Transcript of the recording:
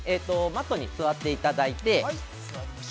◆マットに座っていただいて。